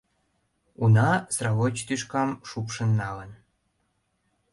Уна, сравоч тӱшкам шупшын налын!